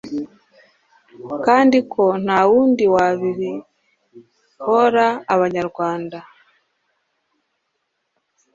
kandi ko nta wundi wabibohora Abanyarwanda,